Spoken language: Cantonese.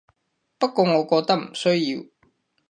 不過我覺得唔需要